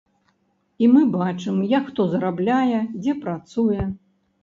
І мы бачым, як хто зарабляе, дзе працуе.